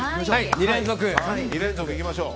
２連続行きましょう。